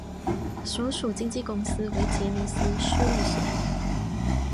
所属经纪公司为杰尼斯事务所。